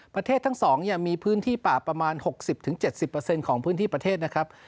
ทั้ง๒มีพื้นที่ป่าประมาณ๖๐๗๐ของพื้นที่ประเทศนะครับ